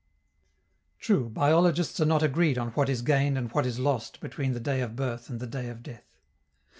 True, biologists are not agreed on what is gained and what is lost between the day of birth and the day of death.